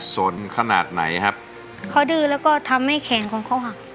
สนขนาดไหนครับเขาดื้อแล้วก็ทำให้แขนของเขาหัก